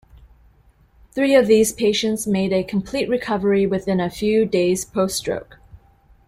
Three of these patients made a complete recovery within a few days post-stroke.